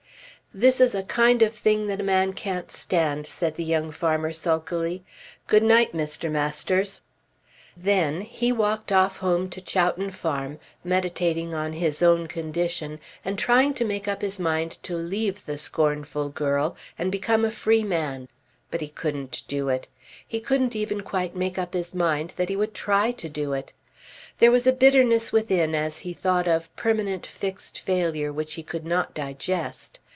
"This is a kind of thing that a man can't stand," said the young farmer sulkily. "Good night, Mr. Masters." Then he walked off home to Chowton Farm meditating on his own condition and trying to make up his mind to leave the scornful girl and become a free man. But he couldn't do it. He couldn't even quite make up his mind that he would try to do it. There was a bitterness within as he thought of permanent fixed failure which he could not digest.